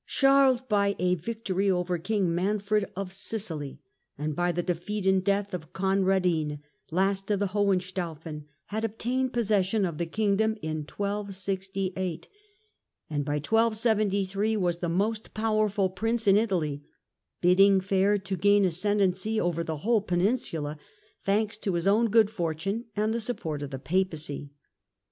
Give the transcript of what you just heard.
Charles by a victory over King Manfred of Sicily, and by the defeat and death of Conradin, last of the Hohenstaufen, had obtained possession of the King dom in 1268, and by 1273 was the most powerful Prince in Italy, bidding fair to gain ascendency over the whole Peninsula, thanks to his own good fortune and the sup port of the Papacy.